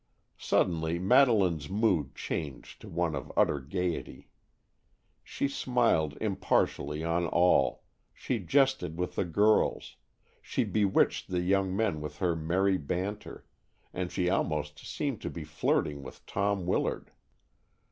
Suddenly Madeleine's mood changed to one of utter gaiety. She smiled impartially on all, she jested with the girls, she bewitched the young men with her merry banter, and she almost seemed to be flirting with Tom Willard.